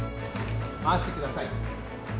回してください。